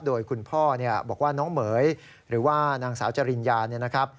โดยคุณพ่อบอกว่าน้องเหม๋ยหรือว่านางสาวจริญญา